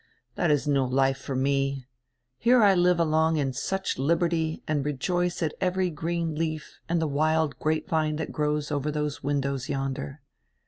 That is no life for me. Here I live along in such liberty and rejoice at every green leaf and the wild grape vine that grows over those windows yonder."